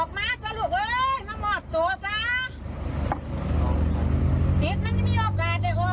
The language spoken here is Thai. นายพระดุงศิลป์ก็ไม่ออกมามอบตัวแต่งสิ่งที่หน่อยจะกลับมา